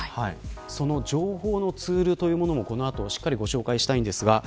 その情報のツールというものもこの後しっかりご紹介します。